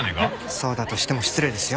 そうだとしても失礼ですよ。